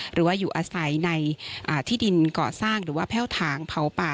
หรือว่าอยู่อาศัยในที่ดินเกาะสร้างหรือว่าแพ่วถางเผาป่า